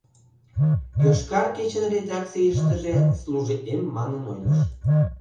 «Йошкар кечын» редакцийыштыже служитлем» манын ойлыш.